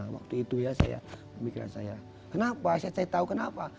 waktu itu ya saya pemikiran saya kenapa saya tahu kenapa